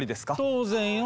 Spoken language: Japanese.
当然よ。